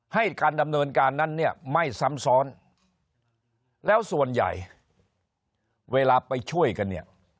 ให้การดำเนินการนั้นเนี่ยไม่ซ้ำซ้อนแล้วส่วนใหญ่เวลาไปช่วยกันเนี่ย